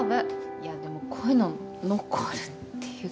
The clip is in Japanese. いやでもこういうの残るっていうか。